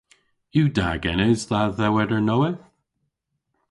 Yw da genes dha dhewweder nowydh?